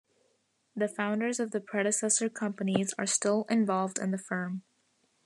The founders of the predecessor companies are still involved in the firm.